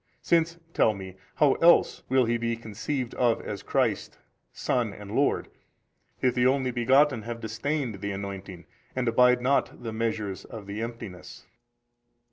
Since (tell me) how else will He be conceived of as Christ Son and Lord, if the Only Begotten have disdained the anointing and abide not the measures of the emptiness?